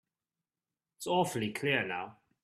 It's awfully clear now.